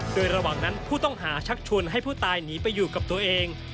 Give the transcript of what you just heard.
โดยระหว่างนั้นผู้ต้องหาชักชวนให้ผู้ตายหนีไปอยู่กับตัวเอง